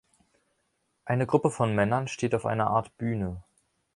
Eine Gruppe von Männern steht auf einer Art Bühne.